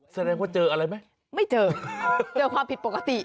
แสดงว่าเจออะไรไหมไม่เจอเจอความผิดปกติ